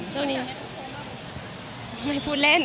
สิวะนี้